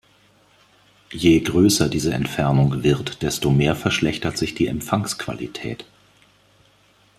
Je größer diese Entfernung wird, desto mehr verschlechtert sich die Empfangsqualität.